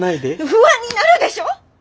不安になるでしょ！